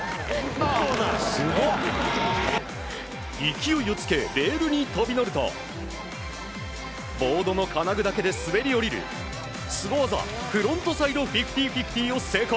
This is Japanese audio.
勢いをつけレールに飛び乗るとボードの金具だけで滑り降りるスゴ技フロントサイド５０‐５０を成功。